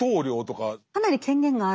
かなり権限がある。